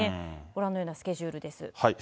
ご覧のようなスケジュールです。